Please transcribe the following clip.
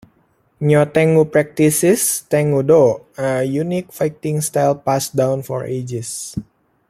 Nyotengu practices tengu-do, a unique fighting style passed down for ages.